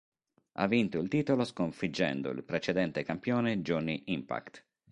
Ha vinto il titolo sconfiggendo il precedente campione Johnny Impact.